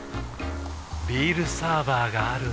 ビールサーバーがある夏。